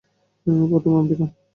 প্রথমে আপনি খান।